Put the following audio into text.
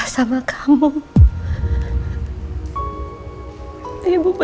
aku akan buat teh hangat ya ibu ya